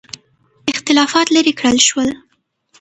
اختلافات لیرې کړل شول.